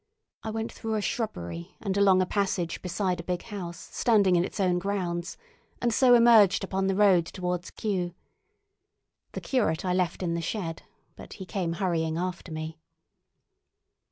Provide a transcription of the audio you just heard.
I went through a shrubbery, and along a passage beside a big house standing in its own grounds, and so emerged upon the road towards Kew. The curate I left in the shed, but he came hurrying after me.